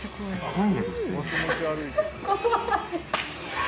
怖いんだけど普通に。